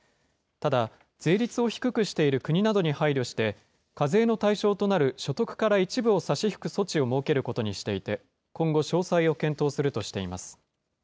ただ、税率を低くしている国などに配慮して、課税の対象となる所得から一部を差し引く措置を設けることにしていて、今後、詳細を検討するとしています。